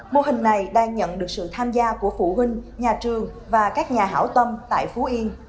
mô hình này đang nhận được sự tham gia của phụ huynh nhà trường và các nhà hảo tâm tại phú yên